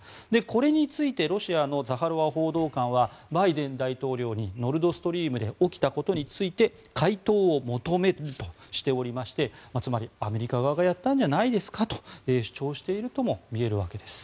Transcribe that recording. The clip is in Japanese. これについてロシアのザハロワ報道官はバイデン大統領にノルド・ストリームで起きたことについて回答を求めるとしておりましてつまり、アメリカ側がやったんじゃないですかと主張しているとも見えるわけです。